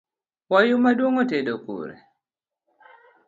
Wayu maduong’ otedo kure?